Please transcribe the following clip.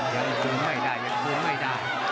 ยังคืนไม่ได้ยังคืนไม่ได้